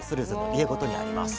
家ごとにあります。